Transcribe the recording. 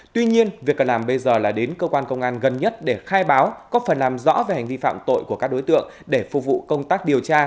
tuy nhiên việc cần làm bây giờ là đến cơ quan công an gần nhất để khai báo có phần làm rõ về hành vi phạm tội của các đối tượng để phục vụ công tác điều tra